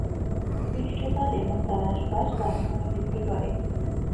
পৃষ্ঠতল এবং তার আশপাশ গাছপালা বৃদ্ধি।